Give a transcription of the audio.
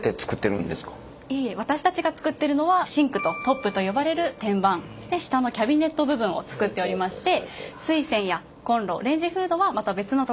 いいえ私たちが作ってるのはシンクとトップと呼ばれる天板そして下のキャビネット部分を作っておりまして水栓やコンロレンジフードはまた別のところになります。